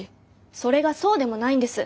それがそうでもないんです。